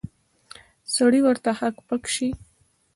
سړی ورته هک پک شي.